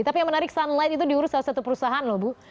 tapi yang menarik sunlight itu diurus salah satu perusahaan loh bu